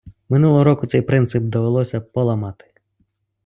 Минулого року цей принцип довелося поламати.